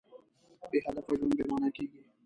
بېهدفه ژوند بېمانا کېږي.